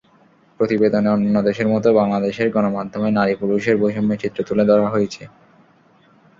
প্রতিবেদনে অন্যান্য দেশের মতো বাংলাদেশের গণমাধ্যমে নারী-পুরুষের বৈষম্যের চিত্র তুলে ধরা হয়েছে।